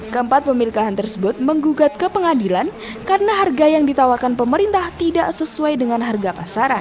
keempat pemilik lahan tersebut menggugat ke pengadilan karena harga yang ditawarkan pemerintah tidak sesuai dengan harga pasaran